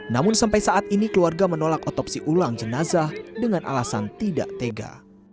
namun sampai saat ini keluarga menolak otopsi ulang jenazah dengan alasan tidak tega